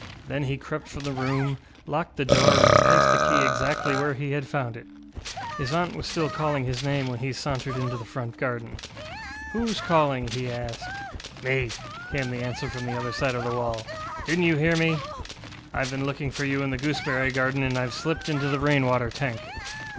Then he crept from the room, locked the door, and replaced the key exactly where he had found it. His aunt was still calling his name when he sauntered into the front garden. ŌĆ£WhoŌĆÖs calling? ŌĆØ he asked. ŌĆ£Me, ŌĆØ came the answer from the other side of the wall; ŌĆ£didnŌĆÖt you hear me? IŌĆÖve been looking for you in the gooseberry garden, and IŌĆÖve slipped into the rain water tank.